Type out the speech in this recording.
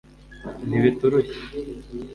n'ibiturushya